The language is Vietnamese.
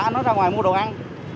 anh nói ra ngoài mua đồ ăn